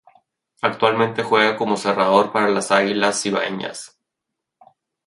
Actualmente juega como cerrador para las Águilas Cibaeñas.